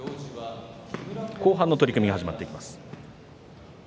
後半の取組が始まっていきます。